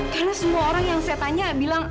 karena semua orang yang saya tanya bilang